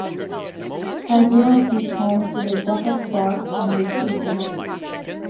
Taguilon is home to the Dakak Park and Beach Resort.